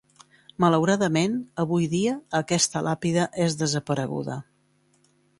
Malauradament, avui dia aquesta làpida és desapareguda.